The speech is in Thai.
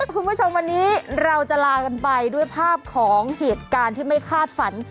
คุณผู้ชมวันนี้เราจะลากันไปด้วยภาพของเหตุการณ์ที่ไม่คาดฝัน